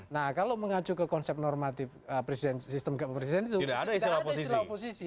nah kalau mengacu ke konsep normatif presidential system itu tidak ada istilah oposisi